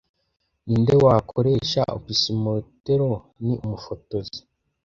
Ninde wakoresha opisometero ni Umufotozi